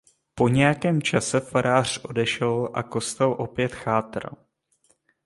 Po nějakém čase farář odešel a kostel opět chátral.